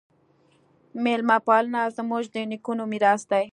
میلمه پالنه زموږ د نیکونو میراث دی.